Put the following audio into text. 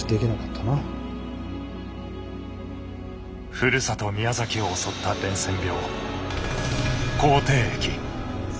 ふるさと宮崎を襲った伝染病口てい疫。